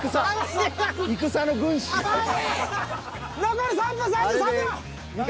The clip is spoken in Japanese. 残り３分３３秒。